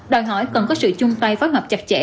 đòi hỏi cần có sự chung tay phối hợp chặt chẽ